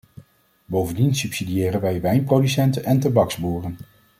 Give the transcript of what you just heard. Bovendien subsidiëren wij wijnproducenten en tabaksboeren.